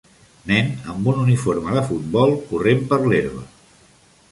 Nen amb un uniforme de futbol corrent per l'herba.